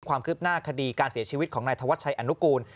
ความคืบหน้าคดีการเสียชีวิตของนายธวัชชัยอนุกูล